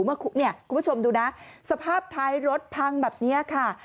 คุณผู้ชมดูนะสภาพท้ายรถพังแบบนี้ค่ะ